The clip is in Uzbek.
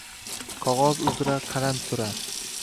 Qogʼoz uzra qalam surar